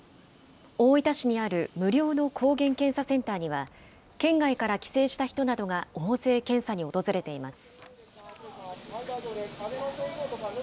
大分市にある無料の抗原検査センターには、県外から帰省した人などが大勢検査に訪れています。